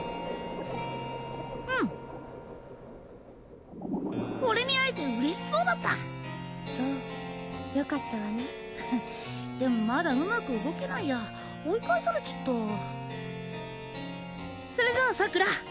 うん俺に会えて嬉しそうだったそうよかったわねでもまだうまく動けないや追い返されちゃったそれじゃあ桜